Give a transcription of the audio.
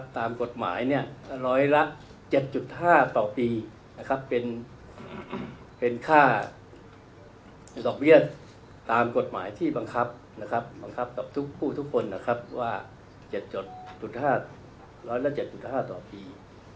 ตามกฎหมาย๑๐๐ละ๗๕ต่อปีเป็นค่าดอกเบี้ยตามกฎหมายที่บังคับกับผู้ทุกคนว่า๑๐๗๕ต่อปี